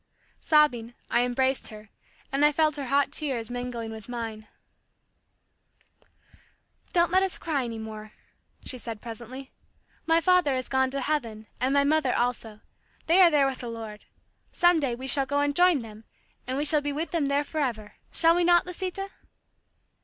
Sobbing, I embraced her, and I felt her hot tears mingling with mine. "Don't let us cry any more," she said presently. "My father has gone to heaven and my mother also. They are there with the Lord. Some day we shall go and join them, and we shall be with them there forever; shall we not, Lisita?"